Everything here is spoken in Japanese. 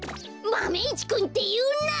「マメ１くん」っていうな！